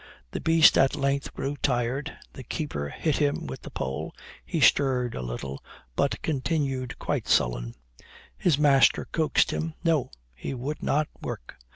The beast at length grew tired the keeper hit him with the pole he stirred a little, but continued quite sullen; his master coaxed him no! he would not work!